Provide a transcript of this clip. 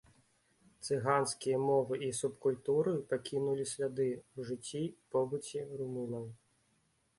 Цыганскія мовы і субкультуры пакінулі сляды ў жыцці і побыце румынаў.